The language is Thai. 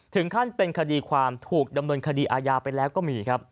ถึงขั้นเป็นคดีความถูกดำเนินคดีอาญาไปแล้วก็มีครับ